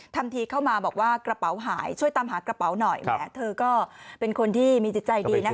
ท่านทีเข้ามาบอกว่ากระเป๋าฮายช่วยตามหากระเป๋าน่ะเนี่ยเธอก็เป็นคนที่มีใจดี